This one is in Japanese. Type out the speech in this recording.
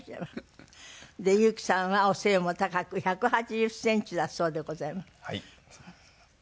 で裕基さんはお背も高く１８０センチだそうでございます。